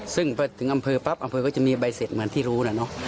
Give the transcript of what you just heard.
ซึ่งพอถึงอำเภอปั๊บอำเภอก็จะมีใบเสร็จเหมือนที่รู้นะเนอะ